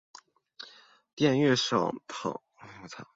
滇越省藤为省藤属泽生藤的一个变种或只是异名。